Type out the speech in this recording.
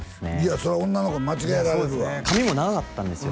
そら女の子間違えられるわ髪も長かったんですよ